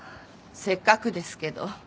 せっかくですけど。